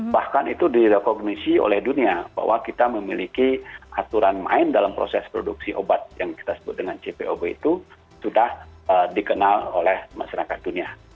bahkan itu direkognisi oleh dunia bahwa kita memiliki aturan main dalam proses produksi obat yang kita sebut dengan cpob itu sudah dikenal oleh masyarakat dunia